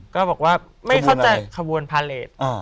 ก็บอกว่าไม่เข้าใจขบวนพาเลส